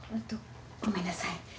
ごめんなさい。